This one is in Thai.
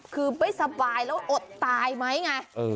คือไม่สบายแล้วอดตายไหมไง